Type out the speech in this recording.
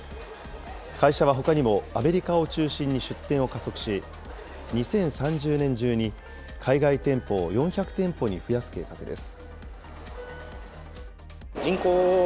会社はほかにもアメリカを中心に出店を加速し、２０３０年中に海外店舗を４００店舗に増やす計画です。